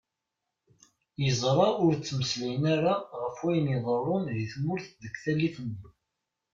Yezṛa ur d-ttmeslayen ara γef wayen iḍeṛṛun di tmurt deg tallit nni.